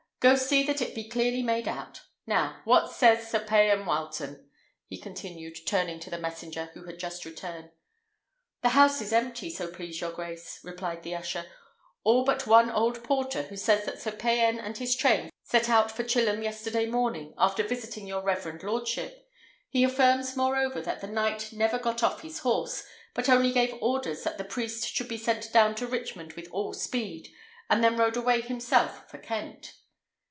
go see that it be clearly made out. Now, what says Sir Payan Wileton?" he continued, turning to the messenger, who had just returned. "The house is empty, so please your grace," replied the usher, "all but one old porter, who says that Sir Payan and his train set out for Chilham yesterday morning, after visiting your reverend lordship. He affirms, moreover, that the knight never got off his horse, but only gave orders that the priest should be sent down to Richmond with all speed, and then rode away himself for Kent."